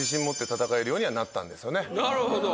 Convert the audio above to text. なるほど。